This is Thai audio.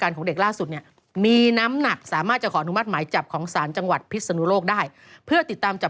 ยุงยักษ์นี่นะฮะธรรมดาอันนี้ดีกว่า